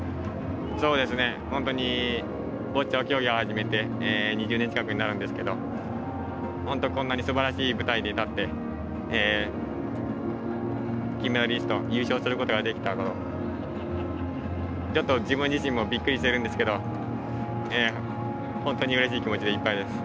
本当に、ボッチャは競技を始めて２０年近くになるんですけれども本当にこんなすばらしい舞台に立って金メダリスト優勝することができて自分自身もびっくりしているんですけど本当にうれしい気持ちでいっぱいです。